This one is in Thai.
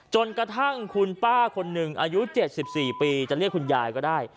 จนกระทั่งคุณป้าคนหนึ่งอายุ๗๔ปีจะเรียกคุณยายก็ได้